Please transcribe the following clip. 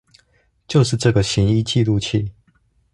就是這個行醫記錄器